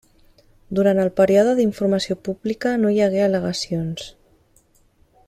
Durant el període d'informació pública no hi hagué al·legacions.